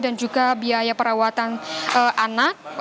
dan juga biaya perawatan anak